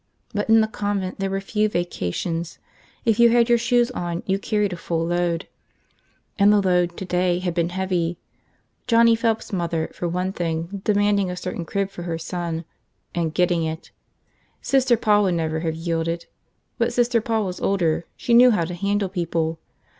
But in the convent there were few vacations. If you had your shoes on you carried your full load. And the load, today, had been heavy. Johnny Phelps's mother, for one thing, demanding a certain crib for her son. And getting it. Sister Paul would never have yielded. But Sister Paul was older, she knew how to handle people.